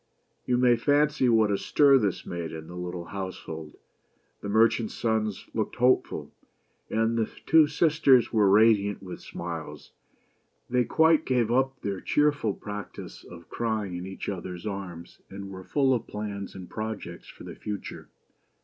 You may fancy what a stir this made in the little house hold. The merchant's sons looked hopeful, and the two sisters were radiant with smiles. They quite gave up their BEAUTY AND THE BEAST. cheerful practice of crying in each other's arms, and were full of plans and projects for the future.